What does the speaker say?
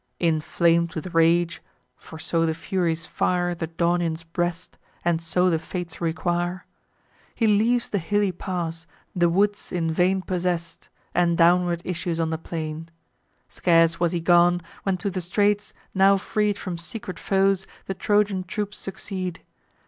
Inflam'd with rage, (for so the Furies fire The Daunian's breast, and so the Fates require,) He leaves the hilly pass, the woods in vain Possess'd, and downward issues on the plain. Scarce was he gone, when to the straits, now freed From secret foes, the Trojan troops succeed.